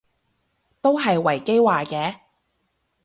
都係維基話嘅